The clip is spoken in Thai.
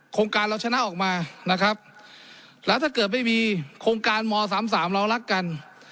โครงการเราชนะออกมานะครับแล้วถ้าเกิดไม่มีโครงการม๓๓เรารักกัน